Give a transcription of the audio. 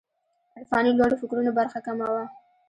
عرفاني لوړو فکرونو برخه کمه وه.